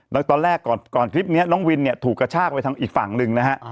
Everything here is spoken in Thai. แล้วตอนแรกก่อนคลิปนี้น้องวินเนี่ยถูกกระชากไปทางอีกฝั่งหนึ่งนะฮะ